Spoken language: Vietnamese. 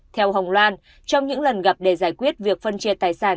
theo hồng loan trong những lần gặp để giải quyết việc phân chia tài sản